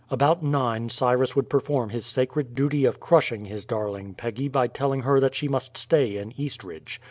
About nine Cyrus would perform his sacred duty of crushing his darling Peggy by telling her that she must stay in Eastridge.